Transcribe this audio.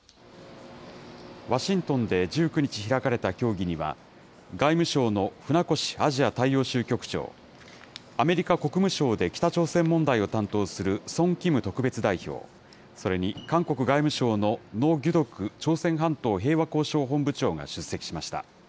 ワシントンで１９日開かれた協議には、外務省の船越アジア大洋州局長、アメリカ国務省で北朝鮮問題を担当するソン・キム特別代表、それに韓国外務省のノ・ギュドク朝鮮半島平和交渉本部長が出席しました。